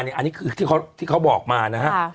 อันนี้คือที่เขาบอกมานะฮะ